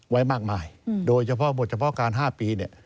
ไว้มากมายโดยเฉพาะบทเฉพาะการ๕ปีเนี่ย